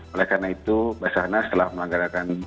oleh karena itu basarnas telah menganggarkan